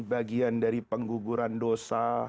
bagian dari pengguguran dosa